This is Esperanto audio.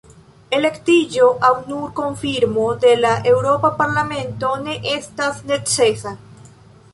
Elektiĝo aŭ nur konfirmo de la Eŭropa Parlamento ne estas necesa.